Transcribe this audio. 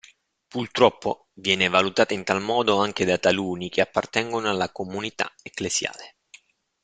Purtroppo, viene valutata in tal modo anche da taluni che appartengono alla comunità ecclesiale.